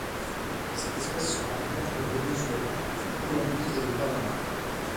Cette espèce se rencontre au Venezuela, en Colombie et au Panama.